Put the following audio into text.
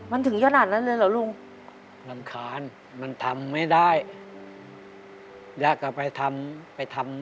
มันถึงเยอะนานนั้นเลยเหรอลุง